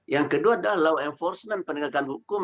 yang kedua adalah law enforcement penegakan hukum